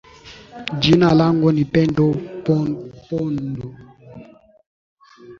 jina langu ni pendo pondo